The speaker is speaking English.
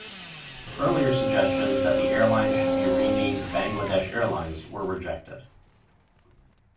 Earlier suggestions that the airline should be renamed Bangladesh Airlines were rejected.